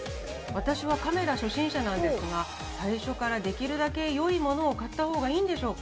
私はカメラ初心者なんですが、最初からできるだけよいものを買ったほうがいいんでしょうか。